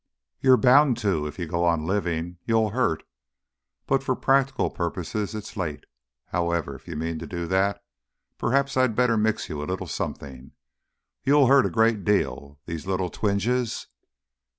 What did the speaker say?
"You're bound to, if you go on living. You'll hurt. But for practical purposes it's late. However, if you mean to do that perhaps I'd better mix you a little something. You'll hurt a great deal. These little twinges